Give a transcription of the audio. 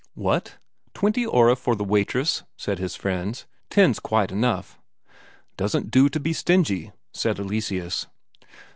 "What twenty Ore for the waitress?" said his friends; "ten's quite enough." "Doesn't do to be stingy," said Eleseus.